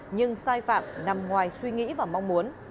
nhưng sai phạm nằm ngoài suy nghĩ và mong muốn